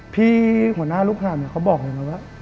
พี่หัวหน้าลูกห่านเขาบอกอย่างนั้นว่า